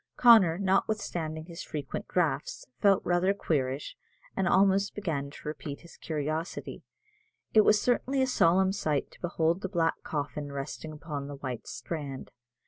Connor, notwithstanding his frequent draughts, felt rather queerish, and almost began to repent his curiosity. It was certainly a solemn sight to behold the black coffin resting upon the white strand.